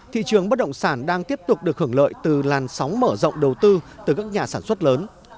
thị trường bất động sản đang tiếp tục được hưởng lợi từ làn sóng mở rộng đầu tư từ các nhà sản xuất lớn